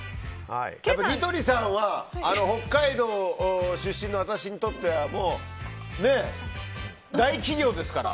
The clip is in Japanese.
ニトリさんは北海道出身の私にとっては大企業ですから。